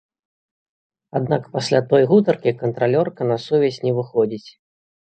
Аднак пасля той гутаркі кантралёрка на сувязь не выходзіць.